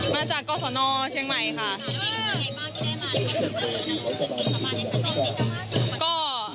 มาจากกศนเชียงใหม่ค่ะ